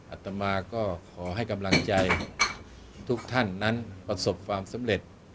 อัตมาก็ขอให้กำลังใจทุกท่านนั้นประสบความสำเร็จ